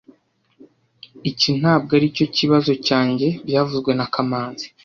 Iki ntabwo aricyo kibazo cyanjye byavuzwe na kamanzi